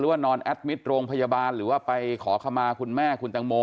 ว่านอนแอดมิตรโรงพยาบาลหรือว่าไปขอขมาคุณแม่คุณตังโม